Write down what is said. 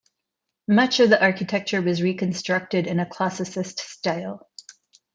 Much of the architecture was reconstructed in a Classicist style.